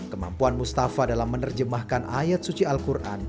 kemampuan mustafa dalam menerjemahkan ayat suci al quran